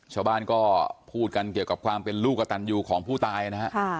ชาวบ้านก็พูดกันเกี่ยวกับความเป็นลูกกระตันอยู่ของผู้ตายนะฮะ